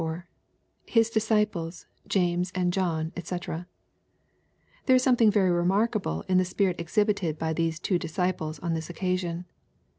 — [His discipleSj James and John^ djc] There is something very remarkable in the spirit exhibited by these two disciples on this occasion.